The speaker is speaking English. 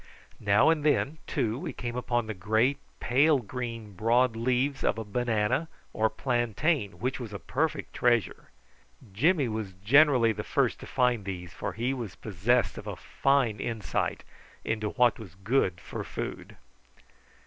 Now and then, too, we came upon the great pale green broad leaves of a banana or plantain, which was a perfect treasure. Jimmy was generally the first to find these, for he was possessed of a fine insight into what was good for food.